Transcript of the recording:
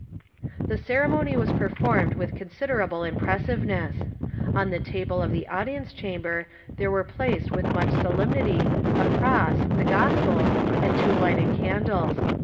The ceremony was performed with considerable impressiveness. On the table of the audience chamber there were placed with much solemnity a cross, the gospels, and two hghted candles.